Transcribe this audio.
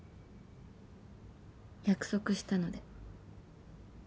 約束したので。